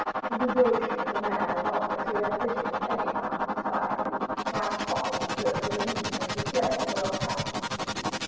The devotion of a man of honor, should ambition of any kind inspire you, might possibly serve as a means of display for your talent and beauty.